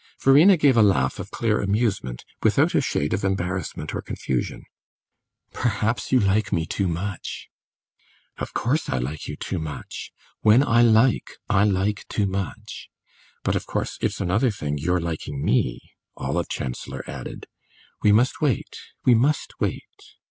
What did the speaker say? Verena gave a laugh of clear amusement, without a shade of embarrassment or confusion. "Perhaps you like me too much." "Of course I like you too much! When I like, I like too much. But of course it's another thing, your liking me," Olive Chancellor added. "We must wait we must wait.